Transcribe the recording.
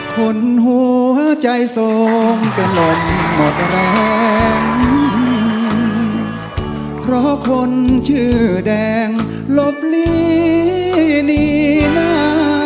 คนหัวใจทรงก็ล้มหมดแรงเพราะคนชื่อแดงหลบลีนีนา